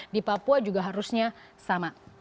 di papua juga harusnya sama